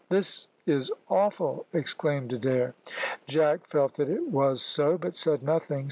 "This is awful," exclaimed Adair. Jack felt that it was so, but said nothing.